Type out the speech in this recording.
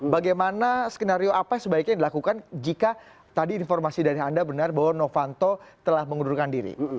bagaimana skenario apa yang sebaiknya dilakukan jika tadi informasi dari anda benar bahwa novanto telah mengundurkan diri